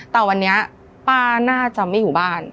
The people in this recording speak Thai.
แต่วันนี้ป้าน่าจะไม่อยู่บ้าน